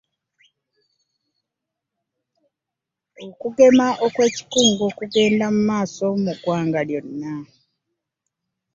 Okugema okw'ekikungo kugenda mu maaso mu ggwanga lyonna.